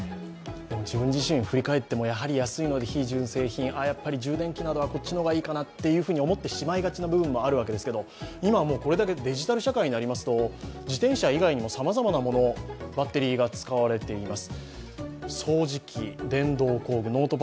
自分自身振り返っても、やはり安いので、非純正品、あっ、やっぱり充電器などはこっちの方がいいかなって思ってしまいがちな部分がありますけれども、今はこれだけデジタル社会になりますと、自転車以外にもさまざまなバッテリーが使われています。